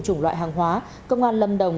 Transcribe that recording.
chủng loại hàng hóa công an lâm đồng